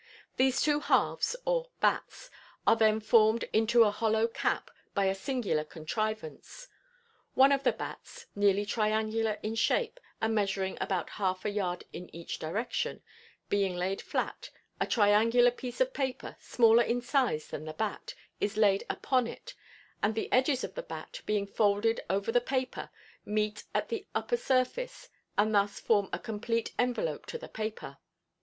These two halves, or "batts," are then formed into a hollow cap by a singular contrivance. One of the "batts," nearly triangular in shape, and measuring about half a yard in each direction, being laid flat, a triangular piece of paper, smaller in size than the batt, is laid upon it, and the edges of the batt, being folded over the paper, meet at the upper surface, and thus form a complete envelope to the paper.